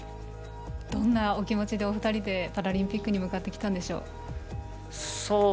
どんなお気持ちでお二人でパラリンピックに向かってきたんでしょう。